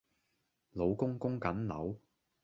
老公供緊樓